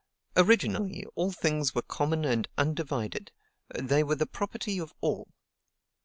"Originally, all things were common and undivided; they were the property of all."